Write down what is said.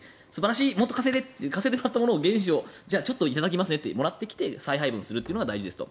もっと稼いでと言って稼いでもらった原資をちょっと頂きますねともらってきて再配分するのが大事だと。